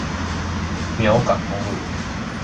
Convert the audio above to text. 苗港公路